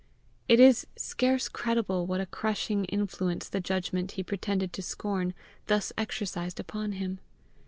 It is scarce credible what a crushing influence the judgment he pretended to scorn, thus exercised upon him.